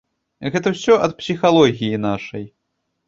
Гэта ўсё ад псіхалогіі нашай.